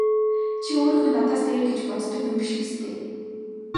Чи өөрийгөө надаас дээр гэж боддог юм биш биз дээ!